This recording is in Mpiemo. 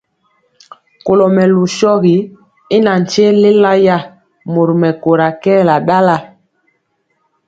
Kɔlo mɛlu shogi y natye lélaya, mori mɛkóra kɛɛla ndala.